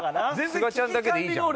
すがちゃんだけでいいじゃん。